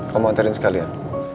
kamu mau nantarin sekalian